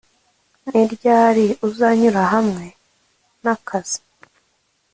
ni ryari uzanyura hamwe nakazi